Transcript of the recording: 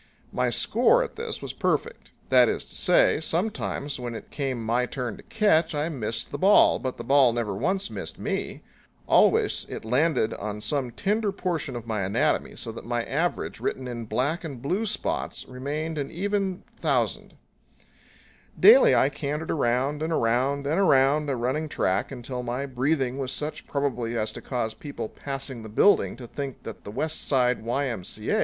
My score at this was perfect; that is to say, sometimes when it came my turn to catch I missed the ball, but the ball never once missed me. Always it landed on some tender portion of my anatomy, so that my average, written in black and blue spots, remained an even 1000. Daily I cantered around and around and around a running track until my breathing was such probably as to cause people passing the building to think that the West Side Y.M.C.A.